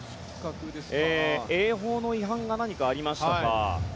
泳法の違反がありましたか。